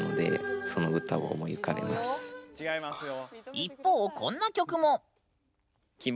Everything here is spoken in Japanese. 一方、こんな曲も。